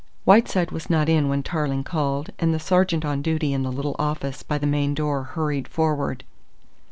Whiteside was not in when Tarling called, and the sergeant on duty in the little office by the main door hurried forward.